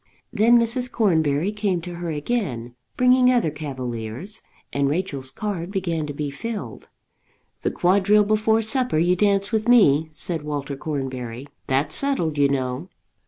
Then Mrs. Cornbury came to her again, bringing other cavaliers, and Rachel's card began to be filled. "The quadrille before supper you dance with me," said Walter Cornbury. "That's settled, you know."